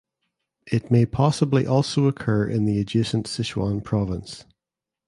It may possibly also occur in adjacent Sichuan province.